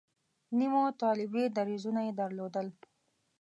نیمو طالبي دریځونه یې درلودل.